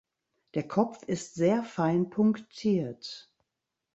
Der Kopf ist sehr fein punktiert.